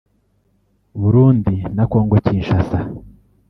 Burundi na Congo Kinshasa)